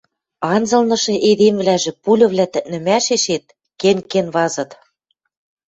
Анзылнышы эдемвлӓжӹ пульывлӓ тӹкнӹмӓшешет кен-кен вазыт.